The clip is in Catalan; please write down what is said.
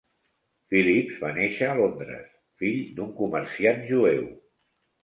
Phillips va néixer a Londres, fill d'un comerciant jueu.